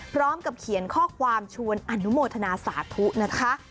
พร้อมกับเขียนข้อความชวนอนุโมทนาสาธุนะคะ